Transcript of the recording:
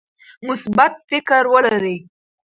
مثبت فکر ولرئ.